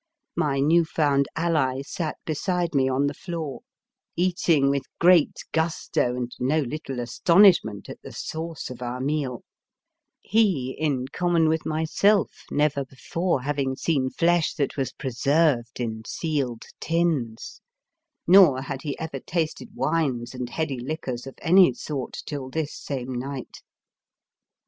My new found ally sate beside me on the floor, eating with 97 The Fearsome Island great gusto and no little astonishment at the source of our meal ; he, in com mon with myself, never before having seen flesh that was preserved in sealed tins, nor had he ever tasted wines and heady liquors of any sort till this same night.